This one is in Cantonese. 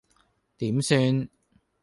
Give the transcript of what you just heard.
點算